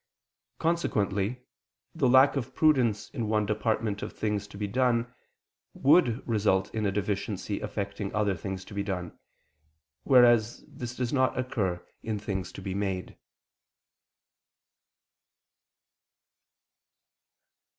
Consequently the lack of prudence in one department of things to be done, would result in a deficiency affecting other things to be done: whereas this does not occur in things to be made.